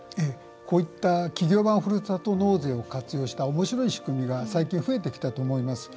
こういった企業版ふるさと納税を活用したおもしろい仕組みが最近、増えてきたと思います。